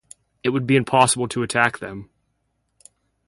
It would be impossible to attack them!